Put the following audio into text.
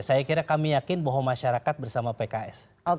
saya kira kami yakin bahwa masyarakat bersama pks